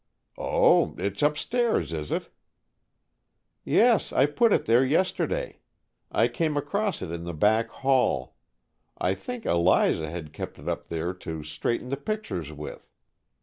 "Oh, it's upstairs, is it?" "Yes, I put it there yesterday. I came across it in the back hall. I think Eliza had kept it up there to straighten the pictures with."